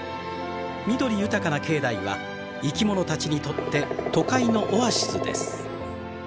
緑豊かな境内は生き物たちにとって都会のオアシスです。